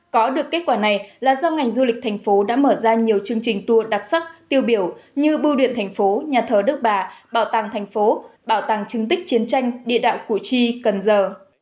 có được kết quả này là do ngành du lịch thành phố đã mở ra nhiều chương trình tour đặc sắc tiêu biểu như bưu điện thành phố nhà thờ đức bà bảo tàng thành phố bảo tàng chứng tích chiến tranh địa đạo củ chi cần giờ